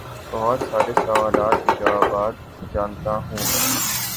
بہت سارے سوالات کے جوابات جانتا ہوں